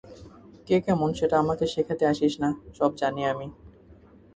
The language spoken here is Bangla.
কে কেমন সেটা আমাকে শেখাতে আসিস না, সব জানি আমি।